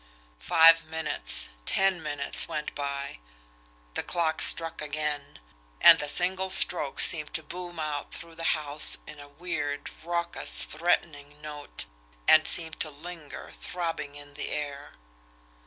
Five minutes, ten minutes went by. The clock struck again and the single stroke seemed to boom out through the house in a weird, raucous, threatening note, and seemed to linger, throbbing in the air.